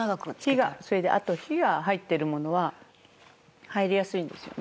火があと火が入ってるものは入りやすいんですよね。